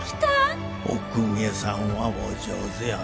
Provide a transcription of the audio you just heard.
お公家さんはお上手やなぁ。